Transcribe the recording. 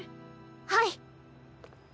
はい！